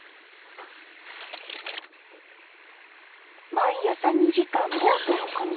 毎朝２時間ボートを漕ぎ